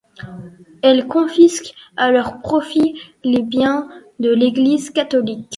Elles confisquent à leur profit les biens de l'Église catholique.